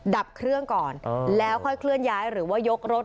ดับเครื่องก่อนแล้วค่อยเคลื่อนย้ายหรือว่ายกรถ